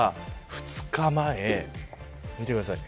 ２日前、見てください。